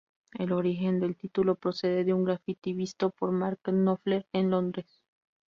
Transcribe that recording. El origen del título procede de un grafiti visto por Mark Knopfler en Londres.